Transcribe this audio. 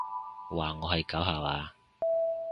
話我係狗吓話？